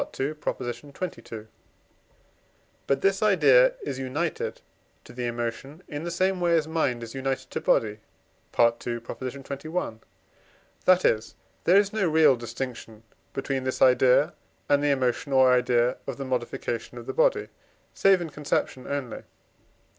xxii.). But this idea is united to the emotion in the same way as mind is united to body (II. xxi.); that is, there is no real distinction between this idea and the emotion or idea of the modification of the body, save in conception only.